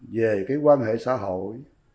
về cái quan hệ xã hội